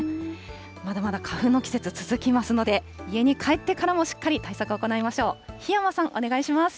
まだまだ花粉の季節続きますので、家に帰ってからもしっかり対策行いましょう。